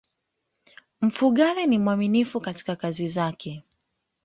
mfugale ni mwaminifu katika kazi zake